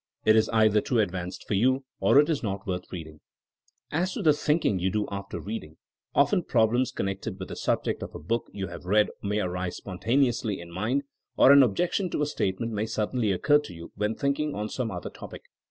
It is either too advanced for you or it is not worth reading. As to the thinking you do after reading. Often problems connected with the subject of a book you have read may arise spontaneously in mind, or an objection to a statement may sud denly occur to you when thinking on some other topic.